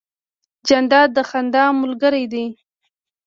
جانداد د خندا ملګری دی.